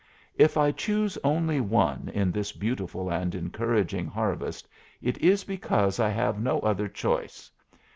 "If I choose only one in this beautiful and encouraging harvest, it is because I have no other choice.